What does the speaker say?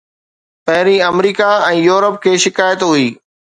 پهرين، America ۽ Europe کي شڪايت هئي.